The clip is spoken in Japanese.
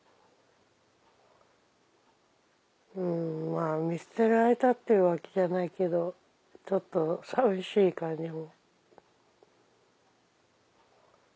うんまぁ見捨てられたっていうわけじゃないけどちょっと寂しい感じも。